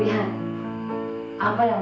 oke deh aku beli lagi